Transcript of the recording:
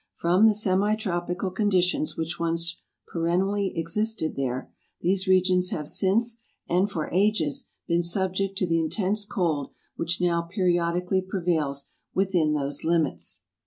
From the semitropical conditions which once perennially existed there, these regions have since and for ages been subject to the intense cold which now periodically prevails within those limits.